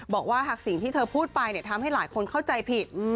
บอกว่าหากสิ่งที่เธอพูดไปทำให้หลายคนเข้าใจผิด